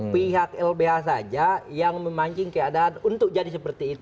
pihak lbh saja yang memancing keadaan untuk jadi seperti itu